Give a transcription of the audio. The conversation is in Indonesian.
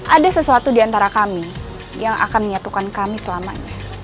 ada sesuatu di antara kami yang akan menyatukan kami selama ini